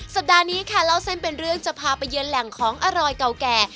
สัปดาห์นี้ค่ะเล่าเส้นเป็นเรื่องจะพาไปเยือนแหล่งของอร่อยเก่าแก่